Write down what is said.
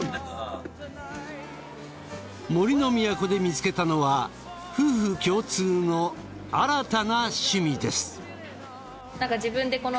杜の都で見つけたのは夫婦共通の新たな趣味です。